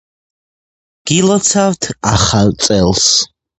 გილოცავთ ახალ წელს